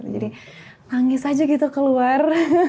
jadi nangis aja gitu keluar